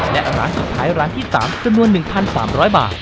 และร้านที่ท้ายร้านที่๓จะเมื่อหนึ่งพันสามร้อยบาท